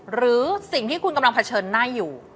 หรือสิ่งที่คุณกำลังเผชิญหน้าอยู่